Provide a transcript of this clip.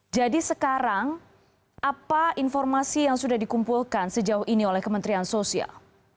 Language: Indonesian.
jadi sekarang apa informasi yang sudah dikumpulkan sejauh ini oleh kementerian sosial